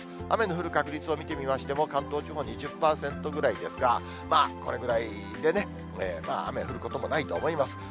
雨の降る確率を見てみましても、関東地方２０％ぐらいですが、これぐらいでね、雨、降ることもないと思います。